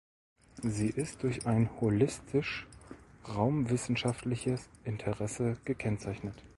Sie ist durch ein holistisch-raumwissenschaftliches Interesse gekennzeichnet.